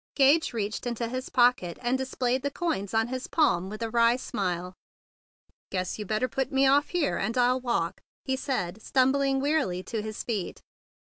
Gage reached into his pocket, and displayed the coins on his palm with a wry smile. "Guess you better put me off here, and I'll walk," he said, stumbling wearily to his feet.